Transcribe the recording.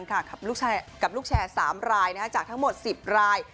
กับลูกแชร์๓รายจากทั้งหมด๑๐ราย